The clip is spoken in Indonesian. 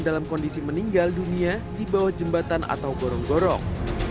dalam kondisi meninggal dunia di bawah jembatan atau gorong gorong